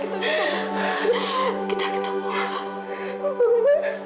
kita sudah ketemu dulu